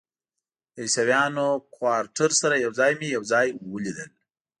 د عیسویانو کوارټر سره یو ځای مې یو ځای ولیدل.